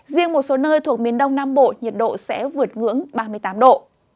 riêng một số nơi thuộc miền đông nam bộ nhiệt độ sẽ vượt ngưỡng ba mươi tám độ